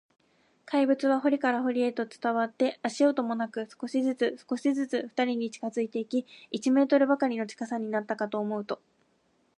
怪物は塀から塀へと伝わって、足音もなく、少しずつ、少しずつ、ふたりに近づいていき、一メートルばかりの近さになったかと思うと、